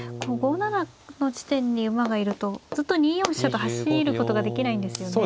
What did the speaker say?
５七の地点に馬がいるとずっと２四飛車と走ることができないんですよね。